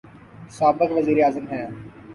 سابق وزیر اعظم ہیں۔